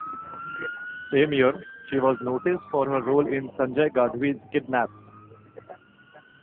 Same year, she was noticed for her role in Sanjay Gadhvi's "Kidnap".